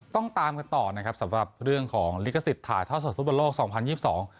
ตามกันต่อนะครับสำหรับเรื่องของลิขสิทธิ์ถ่ายทอดสดฟุตบอลโลกสองพันยี่สิบสอง